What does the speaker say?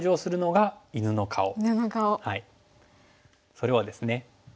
それはですね